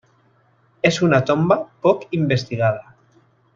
És una tomba poc investigada.